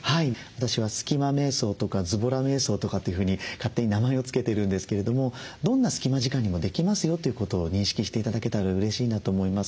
私は「スキマめい想」とか「ずぼらめい想」とかっていうふうに勝手に名前を付けているんですけれどもどんな隙間時間にもできますよということを認識して頂けたらうれしいなと思います。